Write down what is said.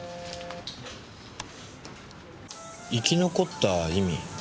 生き残った意味？